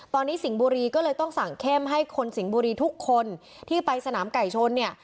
ตอนนี้สิงห์บุรีก็เลยต้องสั่งเข้มให้คนสิงห์บุรีทุกคนที่ไปสนามไก่ชนเนี่ย